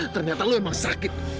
ternyata lo emang sakit